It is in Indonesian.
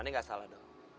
ini gak salah dong